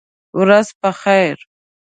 ورځ په خیر !